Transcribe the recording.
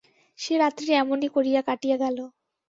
সে রাত্রি এমনি করিয়া কাটিয়া গেল।